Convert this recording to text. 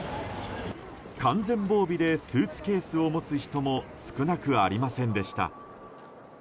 完全防備でスーツケースを持つ人も少なくありませんでした。